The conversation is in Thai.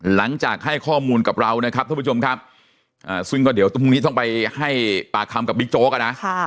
หลังจากให้ข้อมูลกับเรานะครับท่านผู้ชมครับซึ่งก็เดี๋ยวพรุ่งนี้ต้องไปให้ปากคำกับบิ๊กโจ๊กอ่ะนะ